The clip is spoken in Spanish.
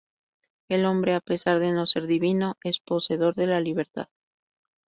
El Hombre, a pesar de no ser divino, es poseedor de la libertad.